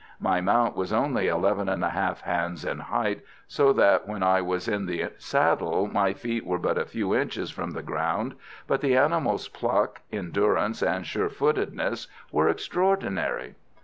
My mount was only 11 1/2 hands in height, so that when I was in the saddle my feet were but a few inches from the ground, but the animal's pluck, endurance and surefootedness were extraordinary.